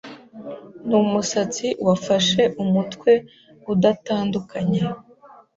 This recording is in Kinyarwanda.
Numusatsi wafashe umutwe udatandukanye